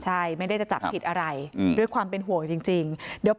ใช่ไม่ได้จะจับผิดอะไรด้วยความเป็นห่วงจริงเดี๋ยว